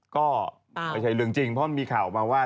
ก็ไม่ใช่เรื่องจริงเพราะมันมีข่าวออกมาว่า